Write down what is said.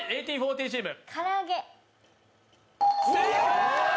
正解！